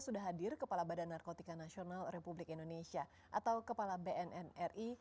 sudah hadir kepala badan narkotika nasional republik indonesia atau kepala bnnri